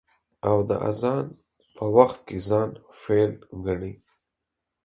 او د اذان په وخت کې ځان فيل گڼي.